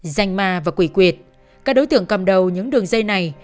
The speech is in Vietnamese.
danh ma và quỷ quyệt các đối tượng cầm đầu những đường dây này